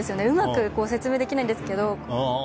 うまく説明できないんですけど。